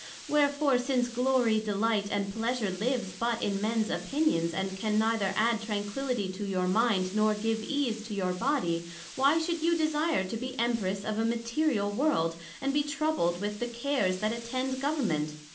wherefore, since glory, delight, and pleasure lives but in other mens opinions, and can neither add tranquility to your mind nor give ease to your body, Why should you desire to be Empress of a Material World, and be troubled with the cares that attend Government?